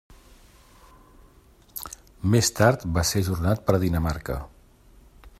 Més tard va ser ajornat per Dinamarca.